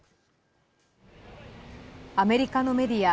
アメリカのメディア